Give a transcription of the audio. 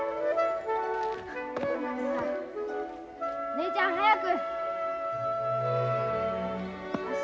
姉ちゃん早く！